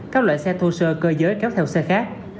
các loại xe thô sơ cơ giới kéo theo xe khác